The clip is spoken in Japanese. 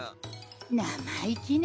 なまいきね！